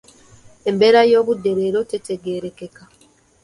Embeera y'obudde leero tetegeerekeka.